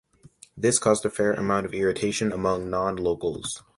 This caused a fair amount of irritation among non-locals.